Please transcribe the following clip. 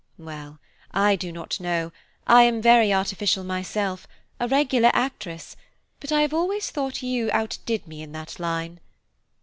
Well, I do not know, I am very artificial myself, a regular actress, but I have always thought you outdid me in that line.